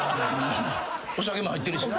お酒も入ってるしな。